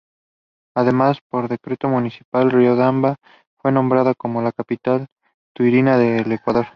Además por decreto municipal Riobamba fue nombrada como la Capital Taurina del Ecuador.